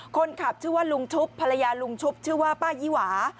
คนขับชื่อว่าลุงชุบภรรยาลุงชุบชื่อว่าป้ายี่หวา